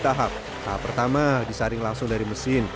tahap tahap pertama disaring langsung dari mesin